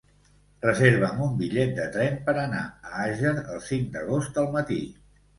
Reserva'm un bitllet de tren per anar a Àger el cinc d'agost al matí.